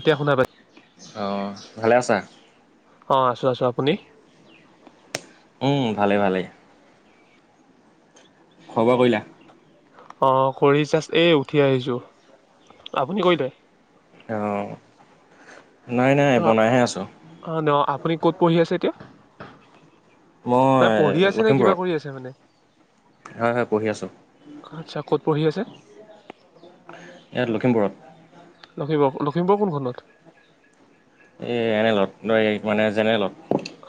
এতিয়া শুনা পাই অহ ভালে আছা? অহ আছো আছো আপুনি? অহ ভালেই ভালেই। খোৱা বোৱা কৰিলা? অহ কৰি জাষ্ট এই উঠি আহিছো, আপুনি কৰিলে? অহ অহ অহ নহ আপুনি ক'ত পঢ়ি আছে? কি নহ মই পঢ়ি আছে নে কিবা লখিমপুৰত কৰি আছে মানে? হয় হয় পঢ়ি আছোঁ, আচ্ছা ক'ত পঢ়ি আছে ইয়াত লখিমপুৰত অহ লখিমপুৰৰ কোনখনত? এহ এনেলত মানে জেনেলত।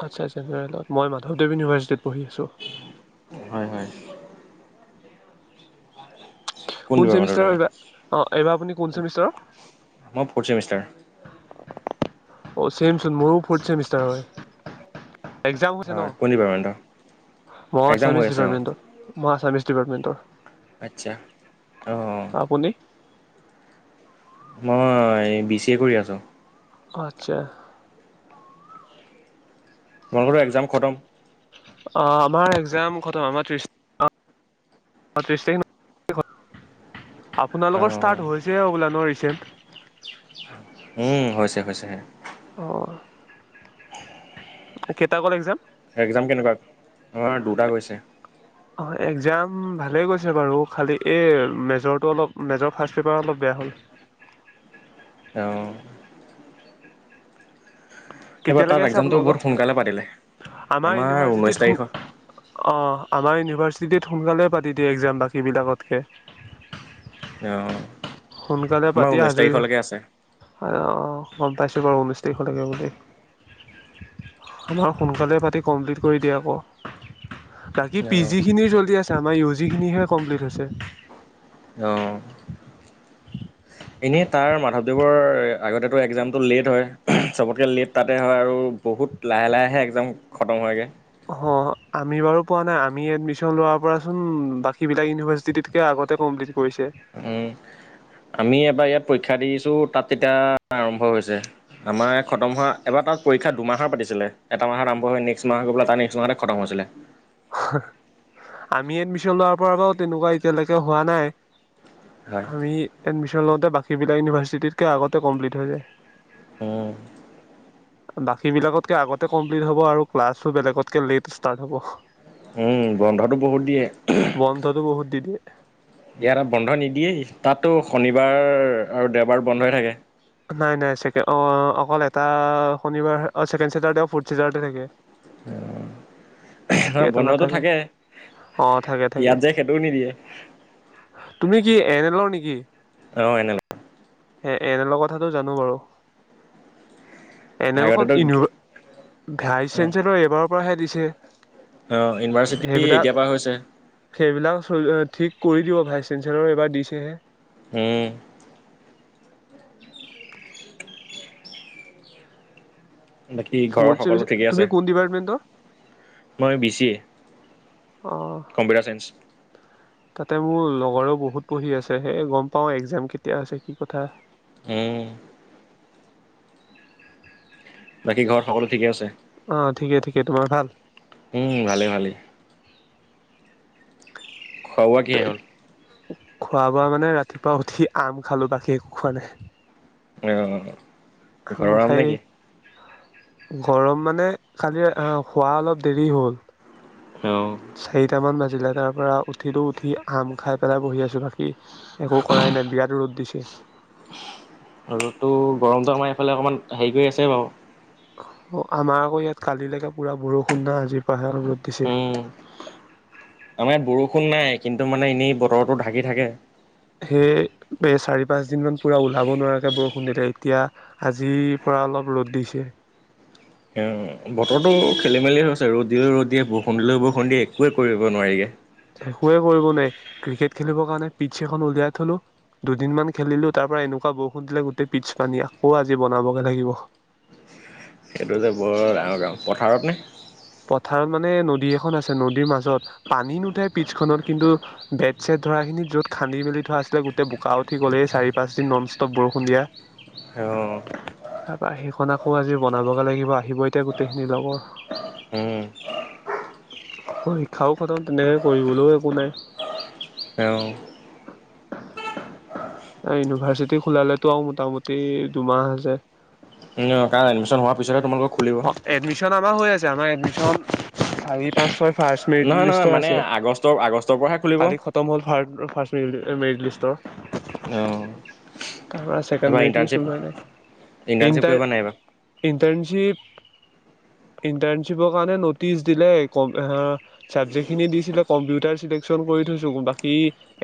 আচ্ছা আচ্ছা। মই মাধৱদেৱ ইউনিভাৰ্চিটিত পঢ়ি আছোঁ। হয় হয়। কোন ডিপাৰ্টমেণ্টৰ চেমিষ্টাৰৰ তুমি? এইবাৰ, এইবাৰ আপুনি কোন চেমিষ্টাৰৰ? মই ফ'ৰ্থ ছেমিষ্টাৰ। অ চেমচোন মোৰো ফ'ৰ্থ চেমিষ্টাৰ হয়। এক্জাম হৈছে হয়, নহ। কোন ডিপাৰ্টমেণ্টৰ? মই এক্সাম আছামিজ হৈ আছে অ', ডিপাৰ্টমেণ্টৰ, ডিপাৰ্টমেণ্টৰ আচ্ছা অহ। আপুনি মই বি চি এ কৰি আছোঁ। অহ আচ্ছা। মই বোলো এক্জাম খটম। অহ আমাৰ একজাম খটম। আমাৰ ত্ৰিশ অহ ত্ৰিশ তাৰিখ আপোনালোকৰ অ', ষ্টাৰ্ট হৈছে হবলা‌ নহ, [unintelligible] উম, হৈছে হৈছে। অহ [unintelligible] কেইটা গ'ল একজাম? এক্সাম কেনেকুৱা? আমাৰ দুটা গৈছে। অ একজাম ভালেই গৈছে বাৰু, খালি এই মেজৰটো অলপ মেজৰ ফাৰ্ষট পেপাৰ অলপ বেয়া হ'ল। তেওঁ এইবাৰ কেতিয়ালৈ তাত আছে এক্সামটো বহুত আপোনালোকৰ? সোনকালে পাতিলে। আমাৰ ঊনৈছ ইউনিভাৰ্চিটিত তাৰিখৰ আ আমাৰ ইউনিভাৰ্চিটি তিত সোনকালে পাতি দিয়ে এক্জাম বাকী বিলাকতকে। অঅ সোনকালে পাতি আাজৰি অ, গম পাইছো। এইবাৰ ঊনৈছ তাৰিখলৈকে বুলি। আমাৰ সোনকালে পাতি কমপ্লিট কৰি দিয়ে আকৌ। বাকী পি অ', জি খিনি চলি আছে। আমাৰ ইউ জি খিনিহে কমপ্লিট হৈছে। ছাত অ এনেই তাৰ মাধৱদেৱৰ আগতেতো এক্জামটো লেট হয়। চবতকৈ লেট তাতে হয় আৰু বহুত লাহে লাহেহে এক্জাম খতম হয়গে। অ আমি বাৰু পোৱা নাই। আমি এডমিশন লোৱাৰ পৰাচোন বাকী বিলাক ইউনিভাৰ্চিটকে আগতে কমপ্লিট কৰিছে উম আমি এবাৰ ইয়াত পৰীক্ষা দিছোঁ, তাত তেতিয়া আৰম্ভ হৈছে। আমাৰ খতম হোৱা এবাৰ তাত পৰীক্ষা দুমাহৰ পাতিছিলে। এটা মাহত আৰম্ভ হৈ হয় নেক্সট মাহ হৈ গৈ পেলাই তাৰ নেক্সট মাহতহে খতম হৈছিলে। আমি এডমিচন লোৱাৰ পৰা বাৰু তেনেকুৱা এতিয়ালৈকে হোৱা নাই। হয়, আমি এডমিছন লওঁতে বাকী সেইবিলাক ইউনিভাৰ্চিটিতকৈ আগতে কমপ্লিট হৈ যায়। অ বাকী বিলাকতকে আগতে কমপ্লিট হব আৰু ক্লাছো বেলেগতকে লেট ষ্টাৰ্ট হব। উম, বন্ধটো বহুত দিয়ে। বন্ধটো বহুত দি দিয়ে ইয়াত আমাক বন্ধ নিদিয়েই। তাতো শনিবাৰ আৰু দেওবাৰ বন্ধই থাকে নাই নাই ছাগে। অ, অকল এটা শনিবাৰ অ ছেকেন চেতাৰদে আৰু ফৰ্ট চেতাৰদে থাকে। অ। বাকীটো নাথাকে। অ থাকে, থাকে। ইয়াত যে সেইটোও নিদিয়ে তুমি কি এন এলৰ নেকি? অ এনেল হে এনে লৰ কথাটো জানো বাৰু। এনেলখন আগতেতো ইউনিভাৰ ভাইচ অ চেঞ্চেলৰ এইবাৰৰ পৰাহে দিছে। এ এ [unintelligible] অ ইউনিভাৰ্চিটি সেইবিলাক, এতিয়াৰ পৰা হৈছে সেইবিলাক চব ঠিক কৰি দিব, ভাইচ চেঞ্চেলৰ এইবাৰ দিছেহে। হু। বাকী ঘৰৰ ফৰ্থ সকলো চেমিষ্টাৰ ঠিকে তুমি আছে? কোন ডিপাৰ্টমেণ্টৰ মই বি চি এ, অঁ কম্পিউটাৰ চাইন্স। তাতে মোৰ লগৰও বহুত পঢ়ি আছে। সেইয়ে গম পাওঁ একজাম কেতিয়া আছে, কি কথা। উ বাকী ঘৰত সকলো ঠিকেই আছে? অঁ ঠিকে তোমাৰ ভাল? উম ভালে ভালেই। খোৱা-বোৱা কি হ'ল? খোৱা-বোৱা মানে ৰাতিপুৱা উঠি আম খালো, বাকী একো খোৱা নাই। অহ ঘৰৰ আম নেকি গৰম মানে খালি অ খোৱা অলপ দেৰি হ'ল অ চাৰিটা মান বাজ তাৰ পৰা উঠিলোঁ উঠি আম খাই পেলাই বহি আছোঁ বাাকী একো কৰাই নাই বিৰাট ৰ'দ দিছে ৰ'দটো গৰমটো আমাৰ এইফালে অকণমান হেৰি কৰি আছে বাৰু অ আমাৰ আকৌ ইয়াত কালিলৈকে পুৰা বৰষুণ না আজিৰ পৰা হে উম আমাৰ ইয়াত বৰষুণ নাই কিন্তু মানে এনেই বতৰটো ঢাকি থাকে। সেই চাৰি পাঁচ দিন মান পুৰা ওলাব নোৱাকে ব দিলে এতিয়া আজিৰ পৰা অলপ ৰ'দ দিছে অ বতৰো খেলি মেলি হৈছে ৰ'দ দিলোঁ ৰদ দিয়ে বৰষুণ দিলোঁ বৰষুণ দিয়ে একোৱে কৰিব নোৱাৰি একোৱে কৰিব নোৱাৰ ক্ৰিকেট খেলিবৰ কাৰণে পিটছ একোয়ে কৰিব নোৱাৰি কিকেত খেলিব কাৰণে পিটছএখন উলিয়াই থলো দুদিন মমান খেলিলো তাৰ পৰা এনেকুৱা বৰষুণ দিলে গোটেই পিটছ পানী আকৌ আজি বনাবগে লাগিব। সেইটো যে বৰ ডাঙৰ কাম, পথাৰত নে? পথাৰত মানে নদী এখন আছে নদীৰ মাজত পানী নুঠে পথাৰ মানে নদী এখন আছে নদী মাজত পিছখনত কিন্তু বেড চেট ধৰা খিনি যত খান্দি মেলি থোৱা আছিলে গোটেই বোকা উঠি গ'লে চাৰি পাঁচদিন নন ষ্টপ বৰষুণ দিয়া অঁ তাৰপৰা সেইখন আকৌ আজি বনাবগৈ লাগিব আহিব এতিয়া গোটেইখিনিৰ লগৰ হম পৰীক্ষাও খতম তেনেকে কৰিবলৈও একো নাই। তেওঁ ইউনিভাৰ্চিটি খোলালেতো মোটামুটি দুমাহ যে উ কাৰণ এডমিশন হোৱাৰ পিছত তোমালোক অ এডমিশন আমাৰ হৈ আছে আমাৰ এডমিশন চাৰি পাঁচ ছয় ফাৰ্ষ মেৰিট নহয় নহয় লিষ্টৰ মানে আছে আগষ্ট আগষ্টৰ পৰাহে খুলিব কালি খতম হ'ল ফাষ্ট মেৰিট ভিতৰত এই মেৰিট অঁ। লিষ্টৰ তাৰপৰা ছেকেণ্ড এইবাৰ মেৰিট লিষ্ট ইণ্টাৰ্ণশ্বিপ ওলোৱা নাই ইণ্টাৰ্ণশ্বিপ কৰিবা নাই এইবাৰ ইণ্টাৰ ইণ্টাৰ্ণশ্বিপ ইন্টাশ্বিপৰ কাৰণে নটিচ দিলে চাপজেক্ট খিনি দিছিলো কম্পিউটাৰ চেলেকচন কৰি কৈছো, বাকী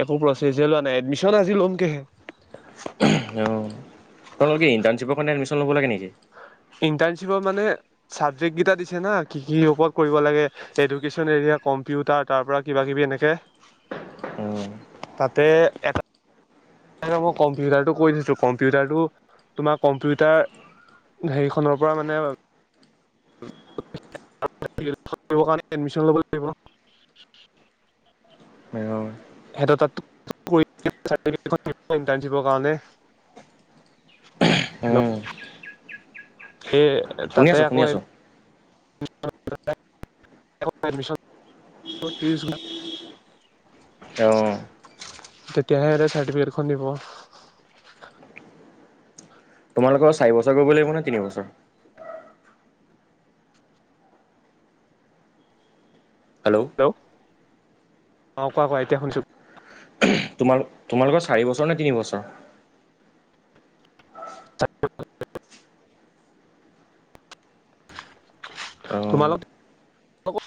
একো পচেচ লোৱা নাই। এডমিশন আজি লম গেহে অঁ তোমালোকৰ কি ইণ্টাৰ্ণশ্বিপৰ কাৰণে এডমিশ্যন ল'ব লাগে নেকি ইণ্টাৰ্ণশ্বিপৰ মানে চাবজেক্ট কেইটা দিছে না কি কি ওপৰত কৰিব লাগে এডুকেন এৰিয়া কম্পিউটাৰ তাৰ পৰা কিবা কিবি এনেকে অঁ তাতে এটা মই কম্পিউটাৰটো কৈ থৈছোঁ কম্পিউটাৰটো তোমাৰ কম্পিউটাৰ হেৰিখনৰ পৰা মানে ইন্টাশ্বিপ কৰিবৰ কাৰণে এডমিশন লব লাগিব ন। অঁ হেতৰ তাত চব কৰিব চাটিফিকেত ইন্টাশ্বিপ কাৰণে। হেল্ল' উম সেই শুনি তাতে আছোঁ শুনি আকৌ ি আছোঁ [unintelligible] অ',, তেতিয়াহে এতে চাৰ্টিফিকেটখন দিব। তোমালোকৰ চাৰি বছৰ কৰিব লাগিব নে, তিনিবছৰ। হেল্ল' অ কোৱা কোৱা এতিয়া শুনিছো। তোমালোকৰ চাৰি বছৰ নে তিনিবছৰ? [inaudible] অঁ তোমালোক [unintelligible]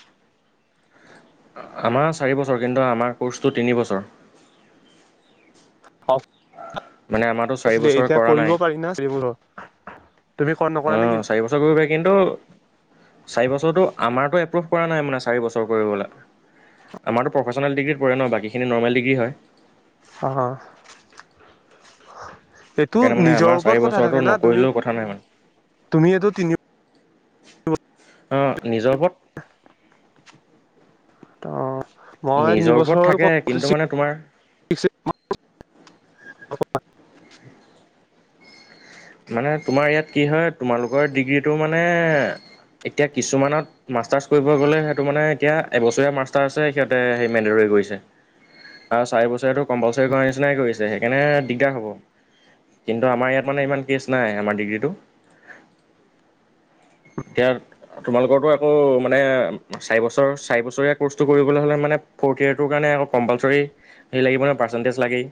আমাৰ চাৰি বছৰ। কিন্তু আমাৰ ক'ৰ্চটো তিনি বছৰ। অফ মানে আমাৰতো চাৰি বছৰ দেৰিকে কৰা কৰিব পাৰি না [unintelligible] তুমি কৰা নকৰা নে কি অ'চাৰি বছৰ কৰিব পাৰে কিন্তু, চাৰি বছৰটো আমাৰতো এপ্ৰুভ পৰা নাই মানে চাৰি বছৰ কৰিবলৈ, আমাৰতো প্ৰফেচনেল ডিগ্ৰীত পৰে ন বাকীখিনি নৰ্মেল ডিগ্ৰী হয়। অ'। এইটো সেইকাৰণে মানে নিজৰ আমাৰ চাৰি ওপৰত কথা বছৰটো থাকে না তুমি, নকৰিলেও কথা নাই মানে তুমি এইটো তিনিও অ' নিজৰ ওপৰত [inaudible] তো' মই নিজৰ ওপৰত তিনিবছৰ থাকে কিন্তু মানে তোমাৰ [unintelligible] [unintelligible] মানে তোমাৰ ইয়াত কি হয় তোমালোকৰ ডিগ্ৰীটো মানে, এতিয়া কিছুমানত মাষ্টাৰছ কৰিব গ'লে সিহঁতে মানে এতিয়া এবছৰীয়া মাষ্টাৰহে সিহঁতে সেই মেণ্ডেডৰি কৰিছে আৰু চাৰি বছৰীয়াটো কম্পালচৰী কৰাৰ নিচিনাই কৰিছে, সেইকাৰণে দিগদাৰ হ'ব কিন্তু আমাৰ ইয়াত মানে ইমান পেছ নাই আমাৰ ডিগ্ৰীটো, এতিয়া তোমালোকৰতো আকৌ মানে চাৰি বছৰ চাৰি বছৰীয়া ক'ৰ্চটো কৰিবলৈ হ'লে মানে ফ'ৰ্থ ইয়েৰটোৰ কাৰণে আকৌ কম্পালচৰি লাগিব নে পাৰ্চেণ্টিজ লাগেই।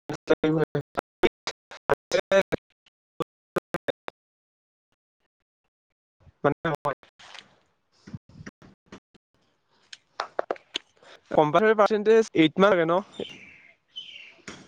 [unintelligible] [unintelligible] কম্পালচৰী পাৰ্চেন্টেজ এইট মাৰ্ক লাগে ন?